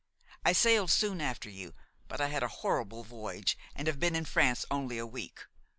I sailed soon after you; but I had a horrible voyage and have been in France only a week.